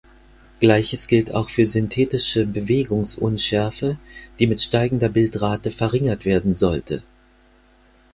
Gleiches gilt auch für synthetische Bewegungsunschärfe, die mit steigender Bildrate verringert werden sollte.